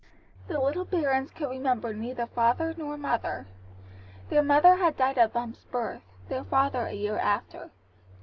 The little Barons could remember neither father nor mother. Their mother had died at Bumps' birth, their father a year after.